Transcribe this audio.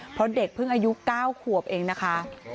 เพราะเด็กเพิ่งอายุ๙ขวบเองนะคะ